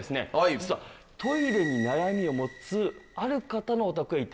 実はトイレに悩みを持つある方のお宅へ行ってきました。